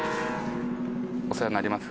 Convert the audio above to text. お世話になります